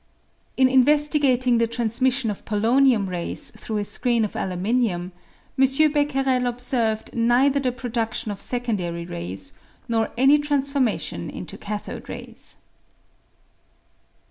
In investigating the transmission of polonium rays through a screen of aluminium, M. Becquerel observed neither the produdlion of secondary rays nor any transform ation into cathode rays.